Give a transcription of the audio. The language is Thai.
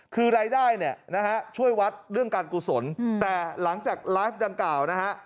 คือรายได้เนี่ยนะฮะช่วยวัดเรื่องการกุศลแต่หลังจากไลฟ์ดังกล่าวนะฮะ